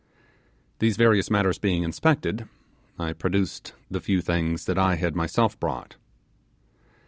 These various matters, being inspected, I produced the few things which I had myself brought.